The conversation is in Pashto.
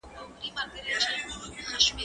دا پاکوالي له هغه منظمه ده؟!